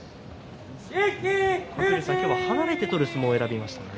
今日も離れて取る相撲を選びましたね。